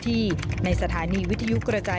มีความรู้สึกว่า